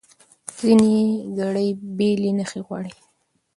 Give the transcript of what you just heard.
ځینې ګړې بېلې نښې غواړي.